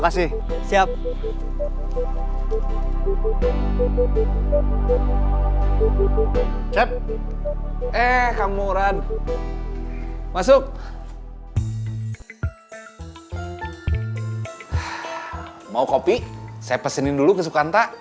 saya pesenin dulu ke sukanta